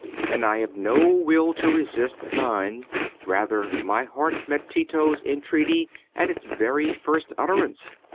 And I have no will to resist thine; rather, my heart met Tito's entreaty at its very first utterance.